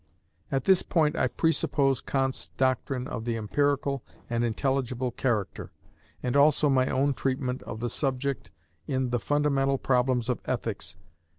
At this point I presuppose Kant's doctrine of the empirical and intelligible character, and also my own treatment of the subject in "The Fundamental Problems of Ethics," pp.